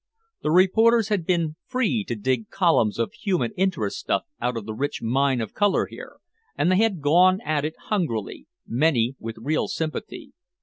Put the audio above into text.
The reporters had been free to dig columns of "human interest stuff" out of the rich mine of color here, and they had gone at it hungrily, many with real sympathy.